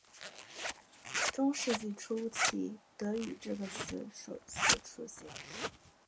中世纪初期德语这个词首次出现。